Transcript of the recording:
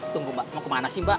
tunggu mbak mau kemana sih mbak